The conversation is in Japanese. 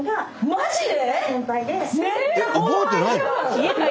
マジで？